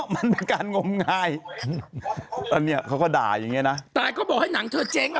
มันเป็นการงมงายตอนนี้เขาก็ด่ายังไงนะแต่ก็บอกให้หนังเธอเจ๊ง